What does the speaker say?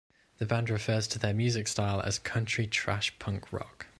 The band refers to their music style as Country Trash Punk Rock.